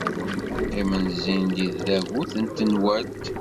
Qqimen, zzin-d i tdabut n tenwalt.